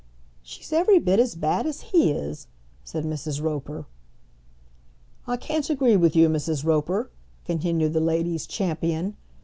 "She's every bit as bad as he is," said Mrs. Roper. "I can't agree with you, Mrs. Roper," continued the lady's champion.